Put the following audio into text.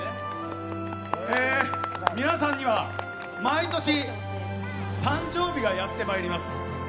皆さんには、毎年誕生日がやってまいります。